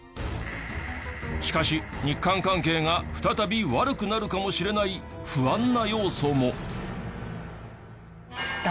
しかし日韓関係が再び悪くなるかもしれない不安な要素も。